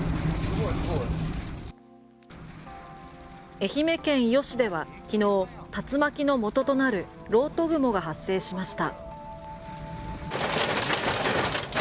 愛媛県伊予市では昨日、竜巻のもととなる漏斗雲が発生しました。